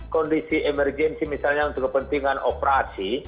kondisi emergensi misalnya untuk kepentingan operasi